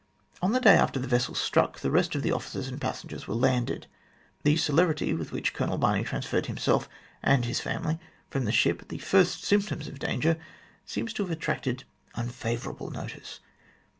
On the day after the vessel struck, the rest of the officers and passengers were landed. The celerity with which Colonel Barney transferred himself and his family from the ship at the first symptoms of danger seems to have attracted unfavourable notice.